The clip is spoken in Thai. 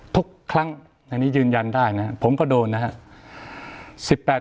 ทุกครั้งในนี้ยืนยันได้นะครับผมก็โดนนะครับ